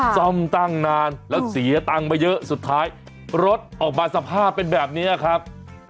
ซ่อมตั้งนานแล้วเสียตังค์มาเยอะสุดท้ายรถออกมาสภาพเป็นแบบนี้ครับ